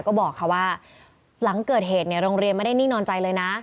ก็บอกค่ะว่าหลังเกิดเหตุโรงเรียนไม่ได้นิ่งนอนใจเลยนะ